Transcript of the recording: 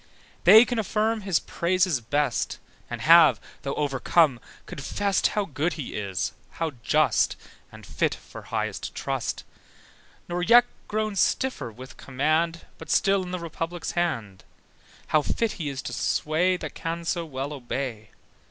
They can affirm his praises best, And have, though overcome, confessed How good he is, how just, And fit for highest trust: Nor yet grown stiffer with command, But still in the Republic's hand: How fit he is to sway That can so well obey.